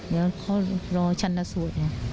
เดี๋ยเขารอชั้นรสุด